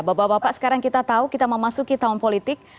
bapak bapak sekarang kita tahu kita memasuki tahun politik